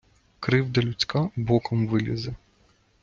Кривда людська боком вилізе.